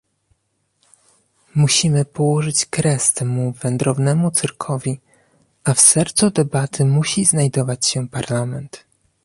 Musimy położyć kres temu wędrownemu cyrkowi, a w sercu debaty musi znajdować się Parlament